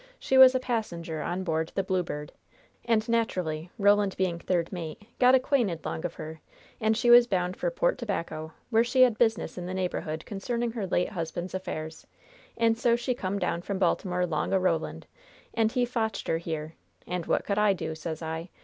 She was a passenger on board the Blue Bird; and, naterally, Roland being third mate, got acquainted long of her, and she was bound for Port Tobacco, where she had business in the neighborhood concerning her late husband's affairs, and so she come down from Baltimore long o' Roland, and he fotch her here, and what could I do, sez I?